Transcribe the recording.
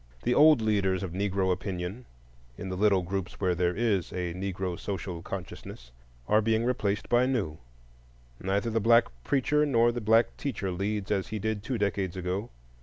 The old leaders of Negro opinion, in the little groups where there is a Negro social consciousness, are being replaced by new; neither the black preacher nor the black teacher leads as he did two decades ago.